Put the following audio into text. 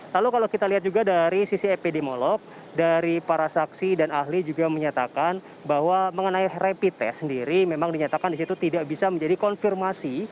lalu kalau kita lihat juga dari sisi epidemiolog dari para saksi dan ahli juga menyatakan bahwa mengenai rapid test sendiri memang dinyatakan di situ tidak bisa menjadi konfirmasi